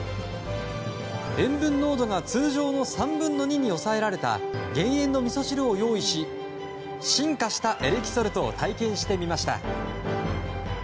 塩分濃度が通常の３分の２に抑えられた減塩のみそ汁を用意し進化したエレキソルトを体験してみました。